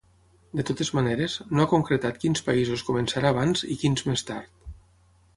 De totes maneres, no ha concretat quins països començarà abans i quins més tard.